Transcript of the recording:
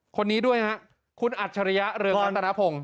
คนนี้ด้วยฮะคุณอัจฉริยะเรืองรัตนพงศ